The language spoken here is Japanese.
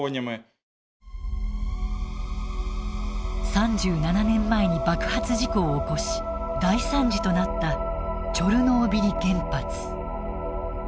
３７年前に爆発事故を起こし大惨事となったチョルノービリ原発。